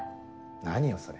何よそれ。